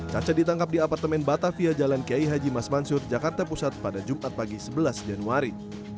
caca ditangkap di apartemen batavia jalan kiai haji mas mansur jakarta pusat pada jumat pagi sebelas januari